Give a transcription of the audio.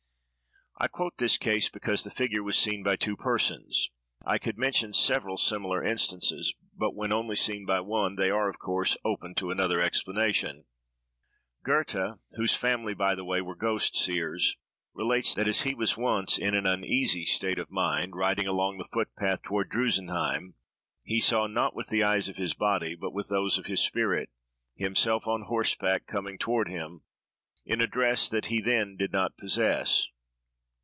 I quote this case, because the figure was seen by two persons. I could mention several similar instances, but when only seen by one, they are, of course, open to another explanation. Goethe (whose family, by the way, were ghost seers) relates that as he was once in an uneasy state of mind, riding along the footpath toward Drusenheim, he saw, "not with the eyes of his body, but with those of his spirit," himself on horseback coming toward him, in a dress that he then did not possess.